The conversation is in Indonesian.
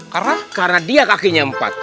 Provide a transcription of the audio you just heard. karena dia kakinya empat